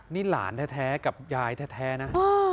นี่หลานแท้กับยายแท้นะ